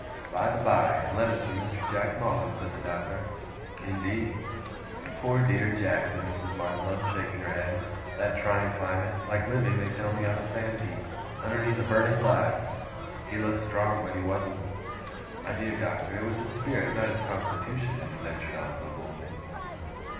'By the by! and letters from Mr. Jack Maldon!' said the Doctor. 'Indeed!' 'Poor dear Jack!' said Mrs. Markleham, shaking her head. 'That trying climate! like living, they tell me, on a sand heap, underneath a burning glass! He looked strong, but he wasn't. My dear Doctor, it was his spirit, not his constitution, that he ventured on so boldly.